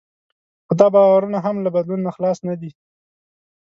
خو دا باورونه هم له بدلون نه خلاص نه دي.